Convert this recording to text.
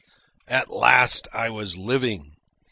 At last I was living.